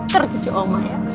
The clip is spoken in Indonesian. terjujur oma ya